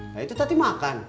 nah itu tadi makan